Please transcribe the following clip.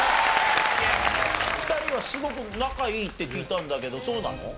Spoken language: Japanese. ２人はすごく仲いいって聞いたんだけどそうなの？